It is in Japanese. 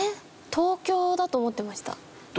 東京だと思ってました。